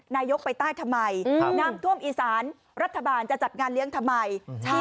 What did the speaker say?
นายกไปใต้ทำไมน้ำท่วมอีสานรัฐบาลจะจัดงานเลี้ยงทำไม